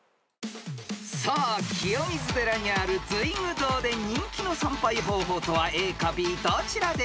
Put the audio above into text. ［さあ清水寺にある随求堂で人気の参拝方法とはＡかＢどちらでしょう？］